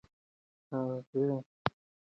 هغې د خپلو اثارو چاپ ته ټینګه وه.